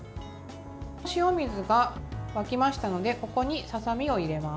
塩水が沸きましたのでここに、ささみを入れます。